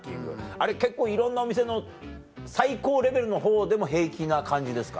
あれ結構いろんなお店の最高レベルのほうでも平気な感じですか？